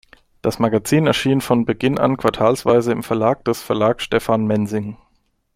Das Magazin erschien von Beginn an quartalsweise im Verlag des Verlag Stefan Mensing.